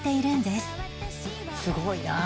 「すごいなあ」